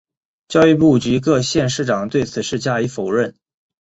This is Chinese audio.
教育部及各县市长对此事加以否认。